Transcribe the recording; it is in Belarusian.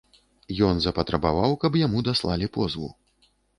Ён запатрабаваў, каб яму даслалі позву.